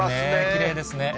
きれいですね。